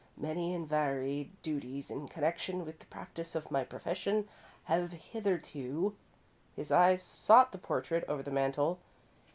Many and varied duties in connection with the practice of my profession have hitherto " His eyes sought the portrait over the mantel.